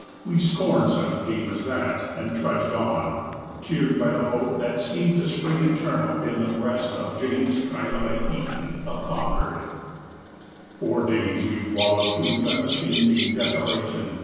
We scorned such game as that and trudged on, cheered by the hope that seemed to spring eternal in the breast of James Trilobite Eton of Concord. Four days we wallowed through the unchanging desolation.